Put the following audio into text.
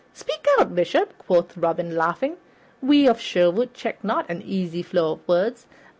"Speak out, Bishop," quoth Robin, laughing. "We of Sherwood check not an easy flow of words.